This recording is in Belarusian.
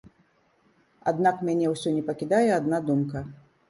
Аднак мяне ўсё не пакідае адна думка.